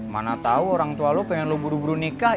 mana tau orang tua lo pengen lo buru buru nikah ya